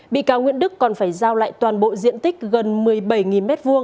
bị cáo nguyễn đức còn phải giao lại toàn bộ diện tích gần một mươi bảy m hai